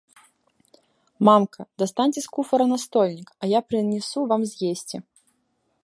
Мамка, дастаньце з куфра настольнік, а я прынясу вам з'есці.